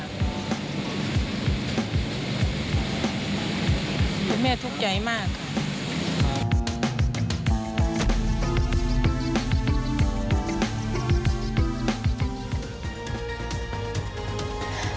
คุณแม่ทุกข์ใจมากค่ะ